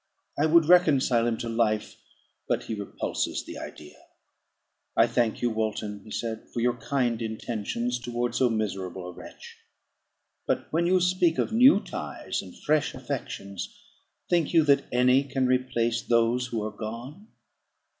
I would reconcile him to life, but he repulses the idea. "I thank you, Walton," he said, "for your kind intentions towards so miserable a wretch; but when you speak of new ties, and fresh affections, think you that any can replace those who are gone?